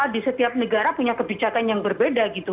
di setiap negara punya kebijakan yang berbeda gitu